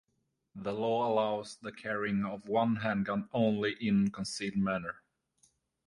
The Law allows the carrying of one handgun only in concealed manner.